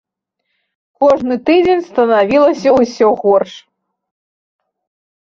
Кожны тыдзень станавілася ўсё горш.